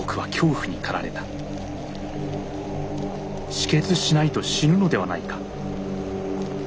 止血しないと死ぬのではないか。